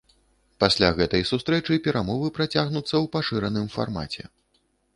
Пасля гэтай сустрэчы перамовы працягнуцца ў пашыраным фармаце.